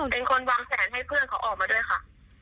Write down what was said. เป็นคนวางแผนให้เพื่อนเขาออกมาด้วยค่ะ